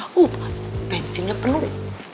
oh bensinnya penuh